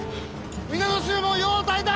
皆の衆もよう耐えた！